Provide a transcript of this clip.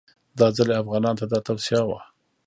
دا ځل یې افغانانو ته دا توصیه وه.